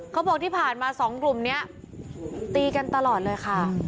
เขาบอกที่ผ่านมาสองกลุ่มนี้ตีกันตลอดเลยค่ะ